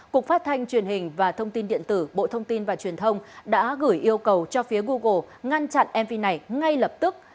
cục phát thanh truyền hình và thông tin điện tử bộ thông tin và truyền thông đã gửi yêu cầu cho phía google ngăn chặn mv này ngay lập tức